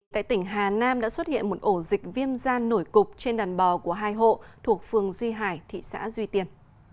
tại tỉnh hà nam đã xuất hiện một ổ dịch viêm da nổi cục trên đàn bò của hai hộ thuộc phường duy hải thị xã duy tiên